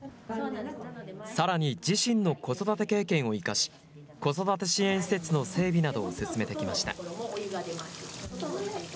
さらに自身の子育て経験を生かし子育て支援施設の整備などを進めてきました。